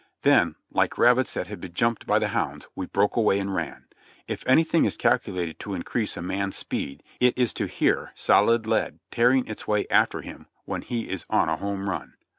Then, like rabbits that had been jumped by the hounds, we broke away and ran. If anything is calculated to increase a man's speed it is to hear solid lead tearing its way after him when he is on a home run.